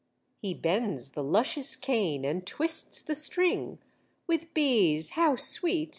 "He bends the luscious cane and twists the string With bees: how sweet!